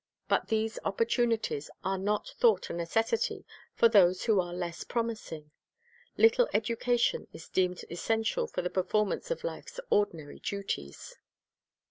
But these opportunities are not thought a necessity for those who arc less promising. Little education is deemed essential for the performance of life's ordinary duties.